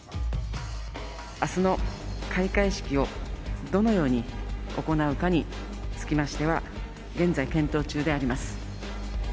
あすの開会式をどのように行うかにつきましては、現在、検討中であります。